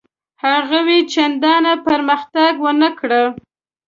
هغوی چنداني پرمختګ ونه کړ.